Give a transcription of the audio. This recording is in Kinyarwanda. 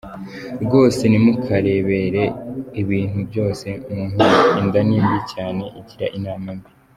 Rwose ntimukarebere ibintu byose mu nkono, inda nimbi cyane, igira inama mbi.